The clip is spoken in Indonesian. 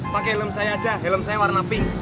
pakai helm saya aja helm saya warna pink